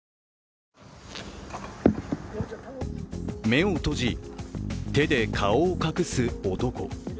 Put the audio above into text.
目を閉じ、手で顔を隠す男。